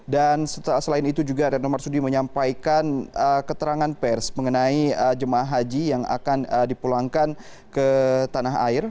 dan selain itu juga renomar sudi menyampaikan keterangan pers mengenai jemaah haji yang akan dipulangkan ke tanah air